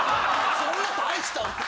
そんな大した。